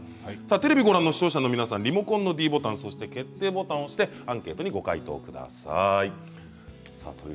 テレビをご覧の視聴者の皆さんもリモコンのｄボタンそして決定ボタンを押してアンケートにご回答ください。